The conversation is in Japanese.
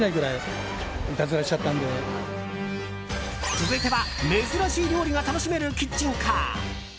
続いては珍しい料理が楽しめるキッチンカー。